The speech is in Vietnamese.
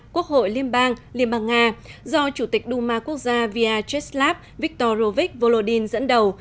quốc hội liên bang liên bang nga do chủ tịch duma quốc gia vyacheslav viktorovich volodin dẫn đầu